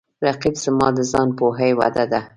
رقیب زما د ځان پوهې وده ده